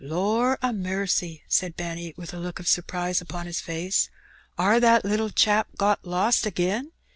'' Lor' a massy !^' said Benny, with a look of surprise upon his face, "are that little chap lost agin?